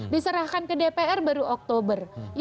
diserahkan ke dpr baru oktober